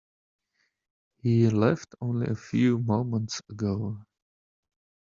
He left only a few moments ago.